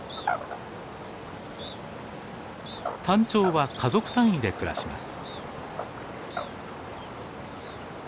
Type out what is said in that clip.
タンチョウは家族単位で暮らします。